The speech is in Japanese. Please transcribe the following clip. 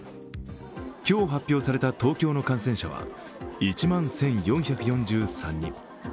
今日発表された東京の感染者は１万１４４３人。